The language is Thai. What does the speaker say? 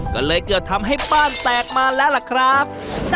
ก็เลยเกิดทำให้บ้านแตกมาแล้วล่ะครับ